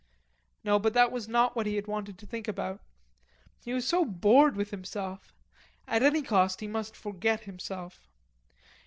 No, but that was not what he had wanted to think about. He was so bored with himself. At any cost he must forget himself.